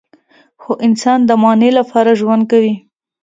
خو انسان د معنی لپاره ژوند کوي.